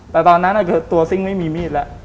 แต่ตอนนั้นตัวซิ่งไม่มีมีดแล้ว